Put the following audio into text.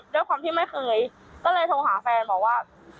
ด้วยความที่ไม่เคยก็เลยโทรหาแฟนบอกว่า